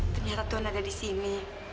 ternyata tuhan ada di sini